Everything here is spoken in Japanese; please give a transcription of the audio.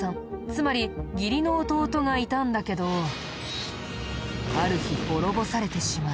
つまり義理の弟がいたんだけどある日滅ぼされてしまい。